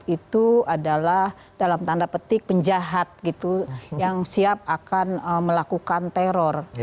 itu adalah dalam tanda petik penjahat gitu yang siap akan melakukan teror